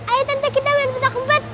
ayo tante kita main putak umpet